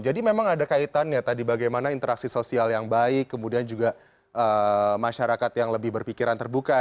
jadi memang ada kaitannya tadi bagaimana interaksi sosial yang baik kemudian juga masyarakat yang lebih berpikiran terbuka